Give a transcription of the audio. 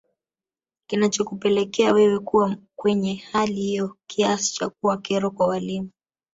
Kinachokupelekea wewe kuwa kwenye hali hiyo kiasi cha kuwa kero kwa walimu